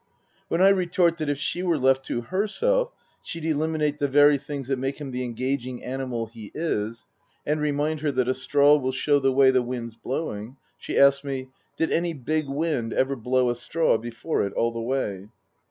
When I retort that if she were left to Myself she'd elimi nate the very things that make him the engaging animal he is, and remind her that a straw will show the way the wind's blowing, she asks me, " Did any big wind ever blow a straw before it all the way